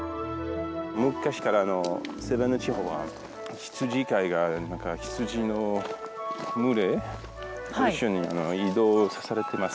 昔からセヴェンヌ地方は羊飼いが羊の群れを一緒に移動されています。